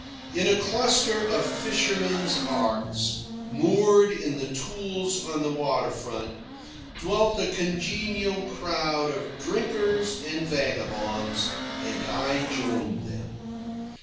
In a cluster of fishermen's arks, moored in the tules on the water front, dwelt a congenial crowd of drinkers and vagabonds, and I joined them.